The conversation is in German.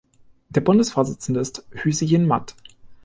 Der Bundesvorsitzende ist Hüseyin Mat.